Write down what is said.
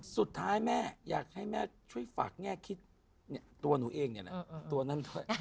สุดท้ายแม่อยากให้แม่ช่วยฝากแง่คิดตัวหนูเองเนี่ยนะ